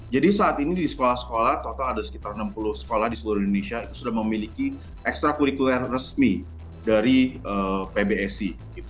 jadi saat ini di sekolah sekolah total ada sekitar enam puluh sekolah di seluruh indonesia yang sudah memiliki ekstra kurikuler resmi dari pbsi